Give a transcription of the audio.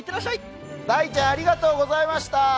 大ちゃん、ありがとうございました。